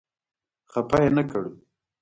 خپه یې نه کړ.